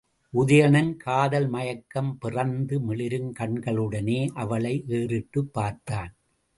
உதயணன் காதல் மயக்கம் பிறந்து மிளிரும் கண்களுடனே அவளை ஏறிட்டுப் பார்த்தான்.